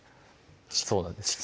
そうなんです